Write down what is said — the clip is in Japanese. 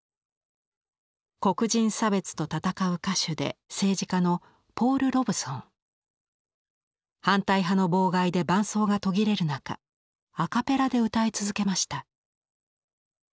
黒人差別と闘う歌手で政治家の反対派の妨害で伴奏が途切れる中アカペラで歌い続けました。